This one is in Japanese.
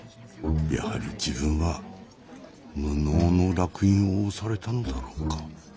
やはり自分は無能の烙印を押されたのだろうか。